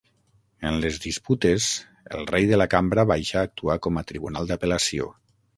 En les disputes, el rei de la cambra baixa actua com a tribunal d'apel·lació.